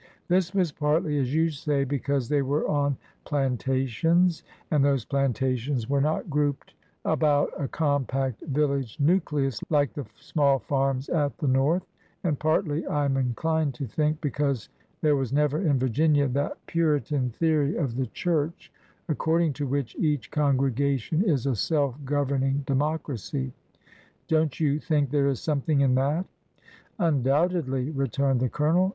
This was partly, as you say, because they were on plantations and those plantations were not grouped about a compact vil lage nucleus like the small farms at the North, and partly, I am inclined to think, because there was never in Vir ginia that Puritan theory of the church according to which each congregation is a self governing democracy. Don't you think there is something in that ?"" Undoubtedly," returned the Colonel.